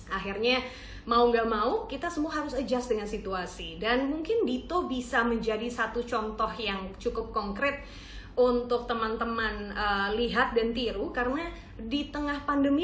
akhirnya mau gak mau kita semua harus adjust dengan situasi dan mungkin dito bisa menjadi satu contoh yang cukup konkret untuk teman teman lihat dan tiru karena di tengah pandemi